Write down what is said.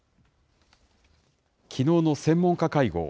きのうの専門家会合。